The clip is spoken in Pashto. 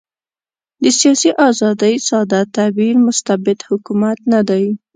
د سیاسي آزادۍ ساده تعبیر مستبد حکومت نه دی.